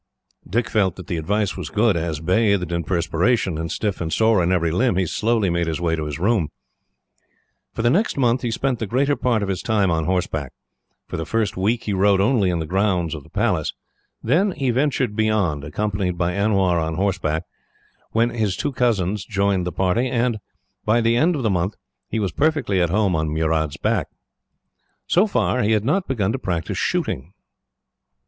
Dick felt that the advice was good, as, bathed in perspiration, and stiff and sore in every limb, he slowly made his way to his room. For the next month, he spent the greater part of his time on horseback. For the first week he rode only in the grounds of the palace; then he ventured beyond, accompanied by Anwar on horseback; then his two cousins joined the party; and, by the end of the month, he was perfectly at home on Murad's back. So far, he had not begun to practise shooting.